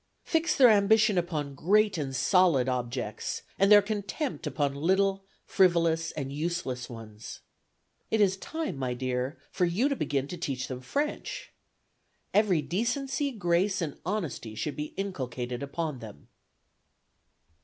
Fix their ambition upon great and solid objects, and their contempt upon little, frivolous, and useless ones. It is time, my dear, for you to begin to teach them French. Every decency, grace, and honesty should be inculcated upon them.